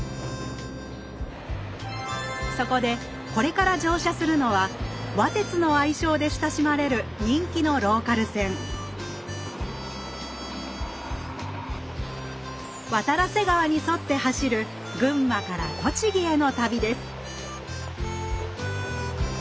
そこでこれから乗車するのは「わ鐵」の愛称で親しまれる人気のローカル線渡良瀬川に沿って走る群馬から栃木への旅です